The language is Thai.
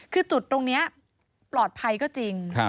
คือจุดตรงนี้ปลอดภัยก็จริง